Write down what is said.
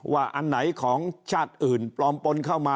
อันไหนของชาติอื่นปลอมปนเข้ามา